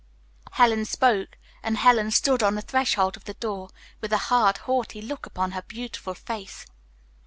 Helen spoke, and Helen stood on the threshold of the door, with a hard, haughty look upon her beautiful face.